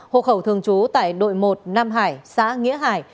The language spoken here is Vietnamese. hộ khẩu thường trú tại đội một nam hải xã nghĩa hải